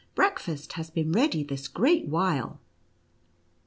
breakfast has been ready this great while."